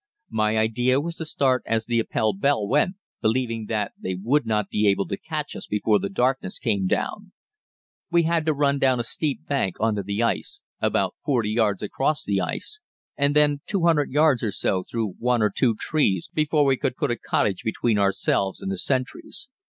My idea was to start as the Appell bell went, believing that they would not be able to catch us before the darkness came down. We had to run down a steep bank on to the ice, about 40 yards across the ice, and then 200 yards or so through one or two trees before we could put a cottage between ourselves and the sentries.